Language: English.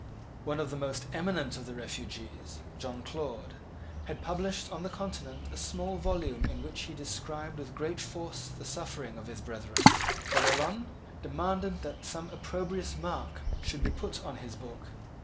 One of the most eminent of the refugees, John Claude, had published on the Continent a small volume in which he described with great force the sufferings of his brethren. Barillon demanded that some opprobrious mark should be put on his book.